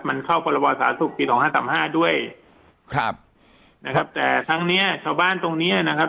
มันเข้าประวัติศาสตร์ศุกร์ปีทอง๕๓๕ด้วยครับนะครับแต่ทั้งเนี้ยชาวบ้านตรงนี้นะครับ